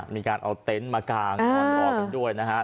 มีการเอาเต็นต์มากางนอนรอกันด้วยนะฮะ